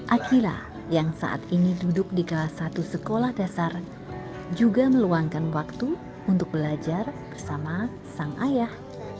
akilah yang saat ini duduk di kelas satu sekolah dasar juga meluangkan waktu untuk belajar bersama sang ayah